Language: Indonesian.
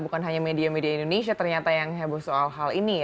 bukan hanya media media indonesia ternyata yang heboh soal hal ini